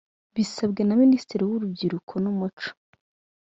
bisabwe na minisitiri w urubyiruko n umuco